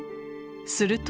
すると］